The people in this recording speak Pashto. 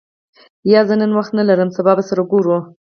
یا، زه نن وخت نه لرم سبا به سره ګورو.